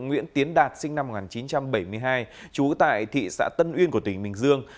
nguyễn tiến đạt sinh năm một nghìn chín trăm bảy mươi hai trú tại thị xã tân uyên của tỉnh bình dương